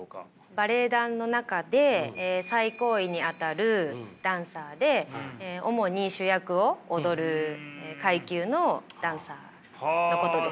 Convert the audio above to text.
バレエ団の中で最高位にあたるダンサーで主に主役を踊る階級のダンサーのことです。